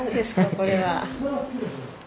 これは。